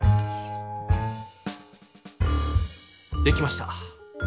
できました。